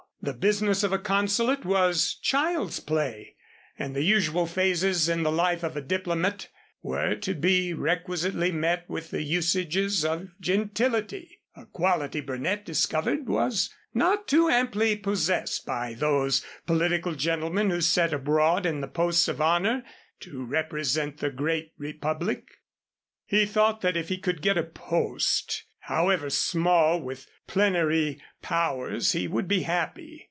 The business of a consulate was child's play, and the usual phases in the life of a diplomat were to be requisitely met by the usages of gentility a quality Burnett discovered was not too amply possessed by those political gentlemen who sat abroad in the posts of honor to represent the great republic. He thought that if he could get a post, however small, with plenary powers, he would be happy.